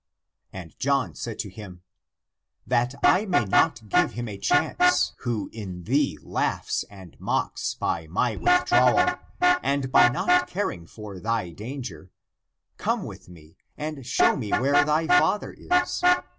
And John said to him, " That I may not give him a chance who in thee laughs and mocks by my withdrawal and by not caring for thy danger, come with me and show me where thy father is